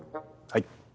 はい。